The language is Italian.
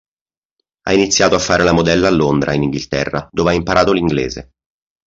Ha iniziato a fare la modella a Londra, in Inghilterra, dove ha imparato l'inglese.